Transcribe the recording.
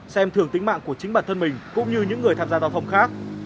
xem thường tính mạng của chính bản thân mình cũng như những người tham gia giao thông khác